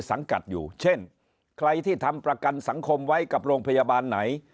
สังกัดอยู่เช่นใครที่ทำประกันสังคมไว้กับโรงพยาบาลไหน